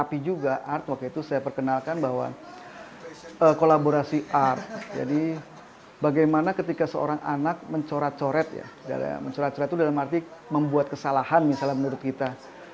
misalnya menurut kita